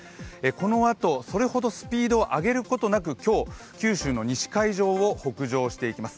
このあとそれほどスピードを上げることなく、今日九州の西海上を北上しています。